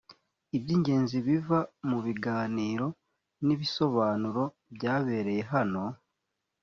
iby ingezi biva mu biganiro n ibisobanuro byabereye hano